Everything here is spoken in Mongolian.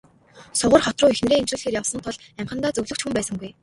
Сугар хот руу эхнэрээ эмчлүүлэхээр явсан тул амьхандаа зөвлөх ч хүн байсангүй.